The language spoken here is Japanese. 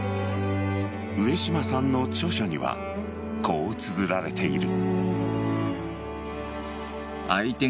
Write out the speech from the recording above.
上島さんの著書にはこうつづられている。